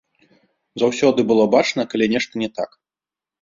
Заўсёды было бачна, калі нешта не так.